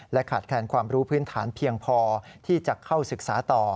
ขาดแคนความรู้พื้นฐานเพียงพอที่จะเข้าศึกษาต่อ